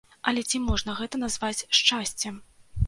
Але ці можна гэта назваць шчасцем?